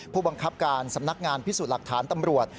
ผู้บังคับการสำนักงานพิสูจน์หลักฐานตำรวจ